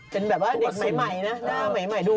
เป็นแบบว่าเด็กใหม่นะหน้าใหม่ดู